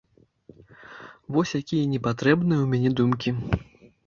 Вось якія непатрэбныя ў мяне думкі.